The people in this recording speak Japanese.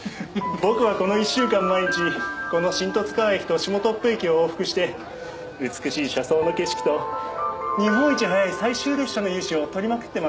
僕はこの一週間毎日この新十津川駅と下徳富駅を往復して美しい車窓の景色と「日本一早い最終列車」の雄姿を撮りまくってます。